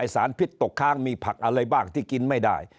สารพิษตกค้างมีผักอะไรบ้างที่กินไม่ได้